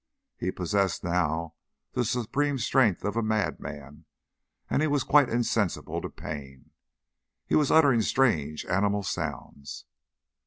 He possessed now the supreme strength of a madman, and he was quite insensible to pain. He was uttering strange animal sounds.